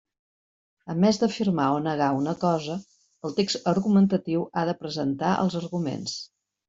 A més d'afirmar o negar una cosa, el text argumentatiu ha de presentar els arguments.